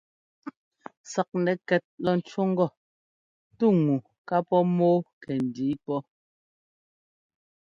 Saknɛkɛt lɔ ńcú ŋgɔ: «tú ŋu ká pɔ́ mɔ́ɔ kɛndǐi pɔ́».